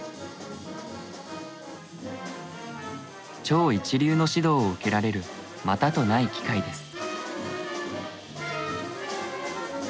超一流の指導を受けられるまたとない機会です。